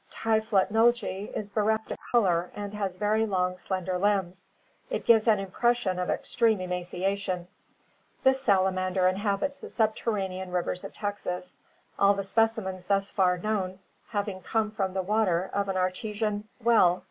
Typhlotnolge is bereft of color and has very long, slender limbs. It gives an impression of extreme emaciation. This salamander inhabits the subterranean rivers of Texas, all the speci mens thus far known having come from the water of an artesian well 188 feet deep, near San Marcos (Gadow).